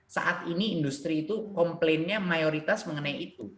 saat ini industri itu komplainnya mayoritas mengenai itu